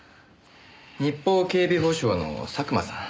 日邦警備保障の佐久間さん。